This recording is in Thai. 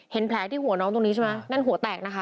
เห็นแผลที่หัวน้องตรงนี้ใช่ไหมนั่นหัวแตกนะคะ